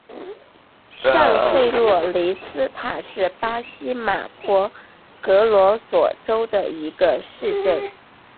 上弗洛雷斯塔是巴西马托格罗索州的一个市镇。